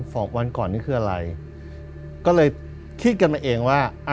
สองวันก่อนนี่คืออะไรก็เลยคิดกันมาเองว่า